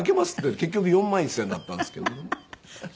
結局４万１０００円になったんですけどね。